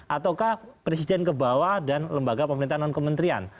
ataukah presiden kebawah dan lembaga pemerintahan non kementrian